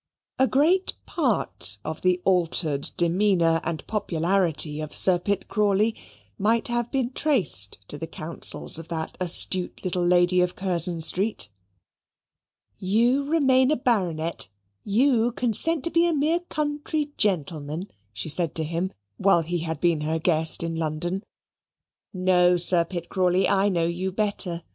A great part of the altered demeanour and popularity of Sir Pitt Crawley might have been traced to the counsels of that astute little lady of Curzon Street. "You remain a Baronet you consent to be a mere country gentleman," she said to him, while he had been her guest in London. "No, Sir Pitt Crawley, I know you better.